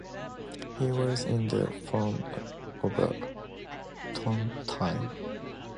It was in the form of a tontine.